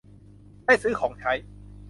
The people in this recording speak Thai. ได้ซื้อของใช้